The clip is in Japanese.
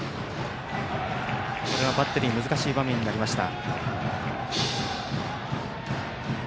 これはバッテリーにとって難しい場面になりました。